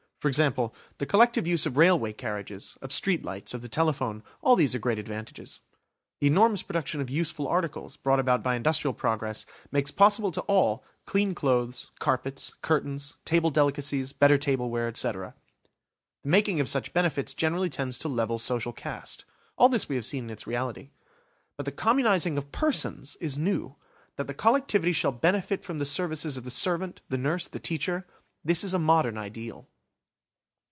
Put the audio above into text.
For example, the collective use of railway carriages, of street lights, of the telephone, all these are great advantages. The enormous production of useful articles, brought about by industrial progress, makes possible to all, clean clothes, carpets, curtains, table delicacies, better tableware, etc. The making of such benefits generally tends to level social caste. All this we have seen in its reality. But the communising of persons is new. That the collectivity shall benefit from the services of the servant, the nurse, the teacher–this is a modern ideal.